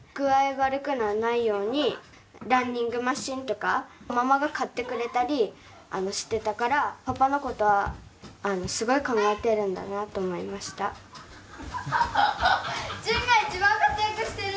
悪くなんないようにランニングマシンとかママが買ってくれたりしてたからパパのことはすごい考えてるんだなぁと思いました旬がいちばん活躍してる！